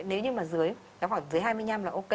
nếu như mà dưới nó khoảng dưới hai mươi năm là ok